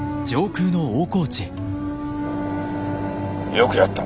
よくやった。